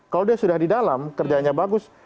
kalau dia sudah di dalam kerjanya bagus